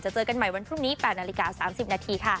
เจอกันใหม่วันพรุ่งนี้๘นาฬิกา๓๐นาทีค่ะ